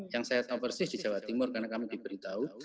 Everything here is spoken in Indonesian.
yang saya tahu persis di jawa timur karena kami diberitahu